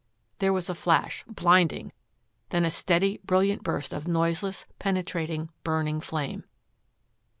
There was a flash, blinding, then a steady, brilliant burst of noiseless, penetrating, burning flame.